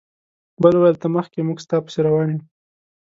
بل وویل ته مخکې موږ ستا پسې روان یو.